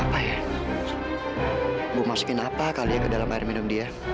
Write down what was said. apa yang saya masukkan ke dalam air minumnya